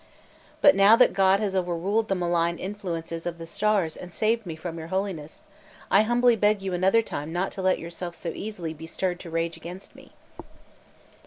But now that God has overruled the malign influences of the stars and saved me for your Holiness, I humbly beg you another time not to let yourself so easily be stirred to rage against me."